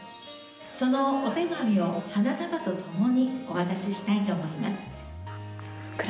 そのお手紙を花束と共にお渡ししたいと思います。